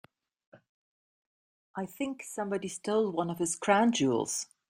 I think somebody stole one of his crown jewels.